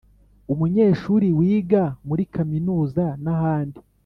umunyeshuri wiga muri kaminuza nahandi